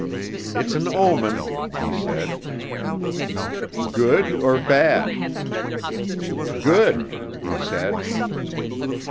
'It's an omen,' he said. 'Good or bad?' 'Good,' he said.